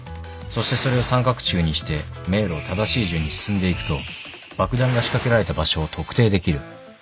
そしてそれを三角柱にして迷路を正しい順に進んでいくと爆弾が仕掛けられた場所を特定できる。